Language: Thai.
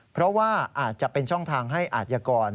เพราะว่าอาจจะเป็นช่องทางให้อาจยากร